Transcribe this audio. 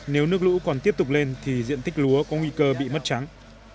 nếu nước lũ còn tiếp tục lên thì diện tích lúa có nguy cơ bị mất trắng